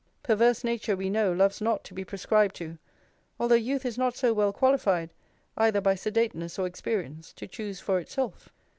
Perverse nature, we know, loves not to be prescribed to; although youth is not so well qualified, either by sedateness or experience, to choose for itself.